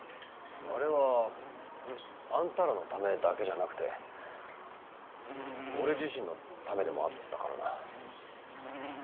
あれはあんたらのためだけじゃなくて俺自身のためでもあったからな。